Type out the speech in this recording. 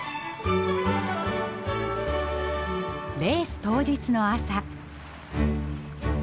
レース当日の朝。